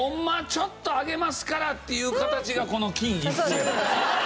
ちょっとあげますからっていう形がこの金一封やから。